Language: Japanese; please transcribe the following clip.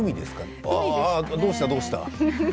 どうした、どうした。